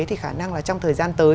thì khả năng là trong thời gian tới